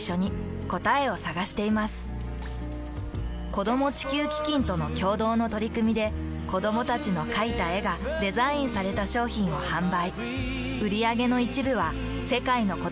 子供地球基金との共同の取り組みで子どもたちの描いた絵がデザインされた商品を販売。